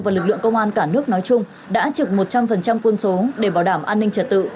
và lực lượng công an cả nước nói chung đã trực một trăm linh quân số để bảo đảm an ninh trật tự